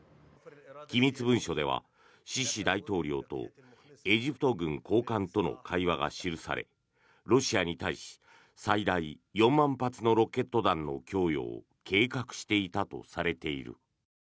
機密文書では、シシ大統領とエジプト軍高官との会話が記されロシアに対し最大４万発のロケット弾の供与を計画していたとされている。